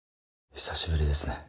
久しぶりですね。